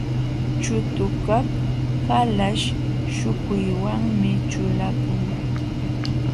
Chutukaq kalaśh śhukuywanmi ćhulakun.